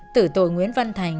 tử tội nguyễn văn thành